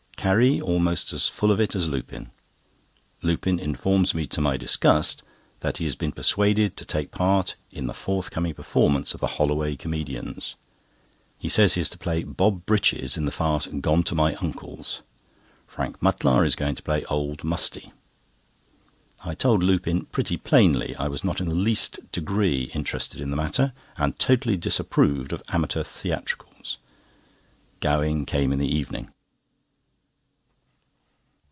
Carrie almost as full of it as Lupin. Lupin informs me, to my disgust, that he has been persuaded to take part in the forthcoming performance of the "Holloway Comedians." He says he is to play Bob Britches in the farce, Gone to my Uncle's; Frank Mutlar is going to play old Musty. I told Lupin pretty plainly I was not in the least degree interested in the matter, and totally disapproved of amateur theatricals. Gowing came in the evening.